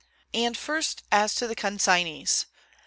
And first as to the consignees.